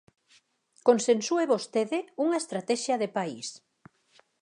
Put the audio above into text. Consensúe vostede unha estratexia de país.